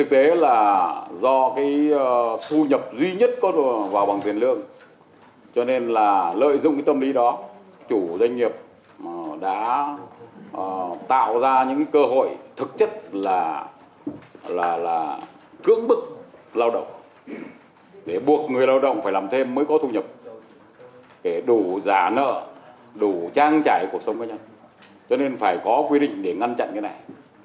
để buộc người lao động phải làm thêm mới có thu nhập để đủ giả nợ đủ trang trải cuộc sống của nhân cho nên phải có quy định để ngăn chặn cái này